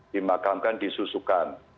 dimakamkan di susukan